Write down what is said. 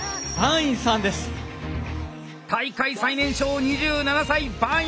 大会最年少２７歳番井。